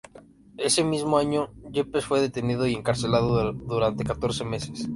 Ese mismo año Yepes fue detenido y encarcelado durante catorce meses.